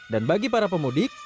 dan bagi para pemudik